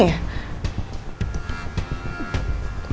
nggak ada apa apa